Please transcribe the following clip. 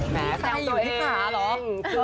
แม้แฟนตัวเอง